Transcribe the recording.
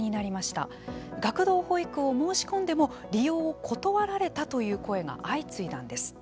学童保育を申し込んでも利用を断られたという声が相次いだんです。